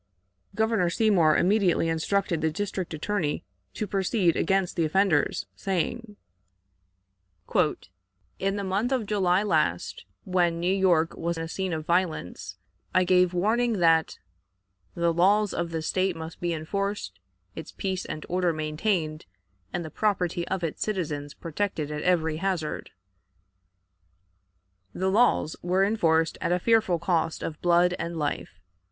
Governor Seymour immediately instructed the District Attorney to proceed against the offenders, saying: "In the month of July last, when New York was a scene of violence, I gave warning that 'the laws of the State must be enforced, its peace and order maintained, and the property of its citizens protected at every hazard.' The laws were enforced at a fearful cost of blood and life.